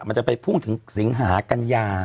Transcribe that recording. มันจะไปพุ่งถึงเทียมสิงหากันตัว